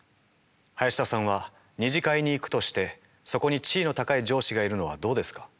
林田さんは二次会に行くとしてそこに地位の高い上司がいるのはどうですか？